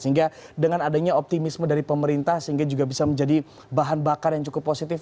sehingga dengan adanya optimisme dari pemerintah sehingga juga bisa menjadi bahan bakar yang cukup positif